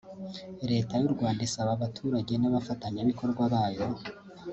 Leta y’u Rwanda isaba abaturage n’abafatanyabikorwa bayo